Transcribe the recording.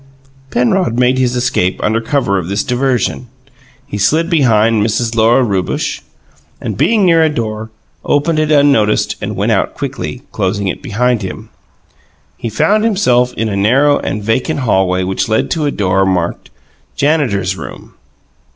Penrod made his escape under cover of this diversion: he slid behind Mrs. Lora Rewbush, and being near a door, opened it unnoticed and went out quickly, closing it behind him. He found himself in a narrow and vacant hallway which led to a door marked "Janitor's Room."